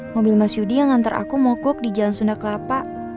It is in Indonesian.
mobil mas yudi yang nganter aku mau kok di jalan sunda kelapa